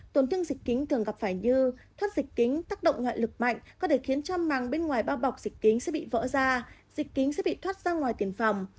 tổn thương dịch kính thường gặp phải như thoát dịch kính tác động ngoại lực mạnh có thể khiến cho màng bên ngoài bao bọc dịch kính sẽ bị vỡ da dịch kính sẽ bị thoát ra ngoài tiền phòng